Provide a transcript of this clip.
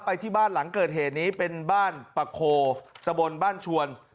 ไปที่บ้านหลังเกิดเหตุนี้เป็นบ้านปะโคตะบนบ้านชวน